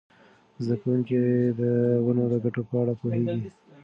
زده کوونکي د ونو د ګټو په اړه پوهیږي.